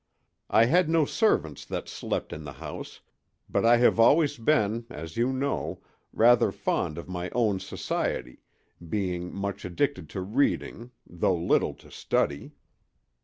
I had no servants that slept in the house, but I have always been, as you know, rather fond of my own society, being much addicted to reading, though little to study.